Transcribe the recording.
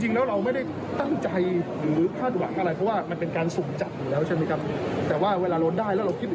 จริงแล้วเราไม่ได้ตั้งใจหรือคาดหวังอะไรเพราะว่ามันเป็น